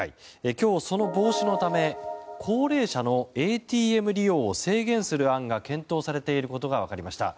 今日、その防止のため高齢者のＡＴＭ利用を制限する案が検討されていることが分かりました。